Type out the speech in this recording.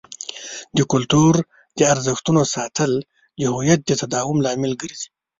د کلتور د ارزښتونو ساتل د هویت د تداوم لامل ګرځي.